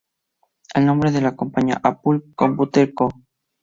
El nombre de la compañía, "Apple Computer Co.